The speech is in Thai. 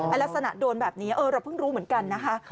ลักษณะโดนแบบนี้เราเพิ่งรู้เหมือนกันนะคะ